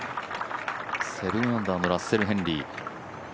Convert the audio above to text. ７アンダーのラッセル・ヘンリー。